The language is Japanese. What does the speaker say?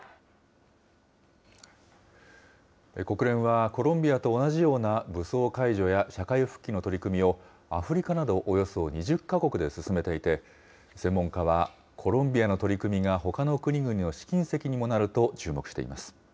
国連はコロンビアと同じような武装解除や社会復帰の取り組みを、アフリカなどおよそ２０か国で進めていて、専門家は、コロンビアの取り組みがほかの国々の試金石にもなると注目しています。